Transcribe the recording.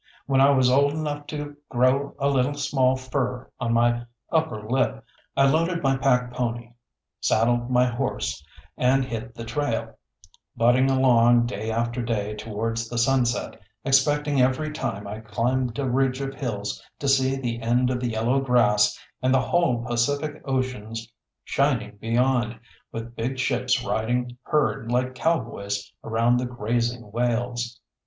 When I was old enough to grow a little small fur on my upper lip I loaded my pack pony, saddled my horse, and hit the trail, butting along day after day towards the sunset, expecting every time I climbed a ridge of hills to see the end of the yellow grass and the whole Pacific Ocean shining beyond, with big ships riding herd like cowboys around the grazing whales.